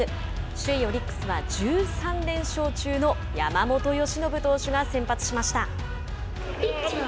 首位オリックスは１３連勝中の山本由伸投手が先発しました。